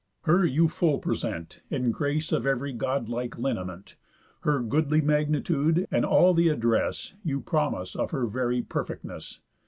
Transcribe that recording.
Her you full present, In grace of ev'ry God like lineament, Her goodly magnitude, and all th' address You promise of her very perfectness.